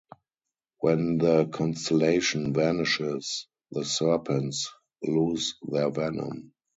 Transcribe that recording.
When the constellation vanishes, the serpents lose their venom.